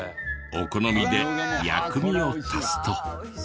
お好みで薬味を足すと。